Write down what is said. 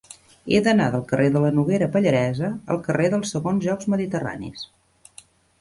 He d'anar del carrer de la Noguera Pallaresa al carrer dels Segons Jocs Mediterranis.